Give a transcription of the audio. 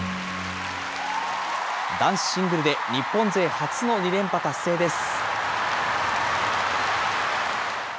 男子シングルで、日本勢初の２連覇達成です。